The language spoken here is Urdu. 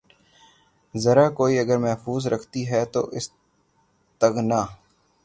زرہ کوئی اگر محفوظ رکھتی ہے تو استغنا